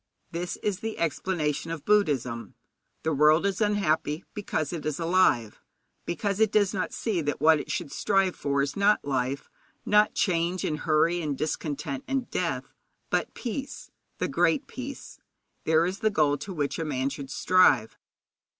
This is the explanation of Buddhism. The world is unhappy because it is alive, because it does not see that what it should strive for is not life, not change and hurry and discontent and death, but peace the Great Peace. There is the goal to which a man should strive.